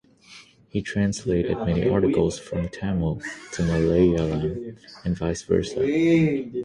He translated many articles from Tamil to Malayalam and vice versa.